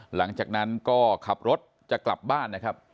หลังจากนั้นก็ขับรถจะกลับบ้านนะครับ